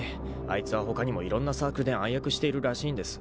あいつはほかにもいろんなサークルで暗躍しているらしいんです。